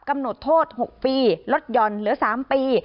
กำหนดโทษ๖ปีลดหย่อนเหลือ๓ปี